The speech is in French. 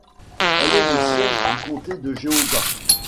Elle est le siège du comté de Geauga.